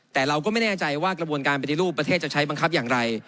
แต่เราก็ไม่แน่ใจว่ากระบวนการปฏิรูปประเทศจะใช้บังคับอย่างไร